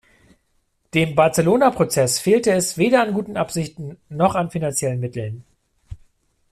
Dem Barcelona-Prozess fehlte es weder an guten Absichten noch an finanziellen Mitteln.